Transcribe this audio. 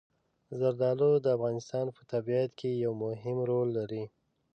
زردالو د افغانستان په طبیعت کې یو مهم رول لري.